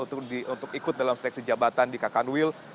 untuk ikut dalam seleksi jabatan di kakanwil